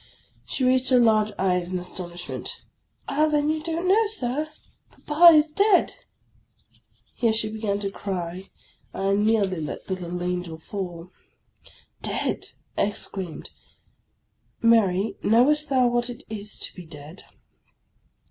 " She raised her large eyes in astonishment :— "Ah, then you don't know, Sir? Papa is dead." Here she began to cry : I nearly let the little angel fall. " Dead !" I exclaimed :" Mary, knowest thou what it is to be dead?"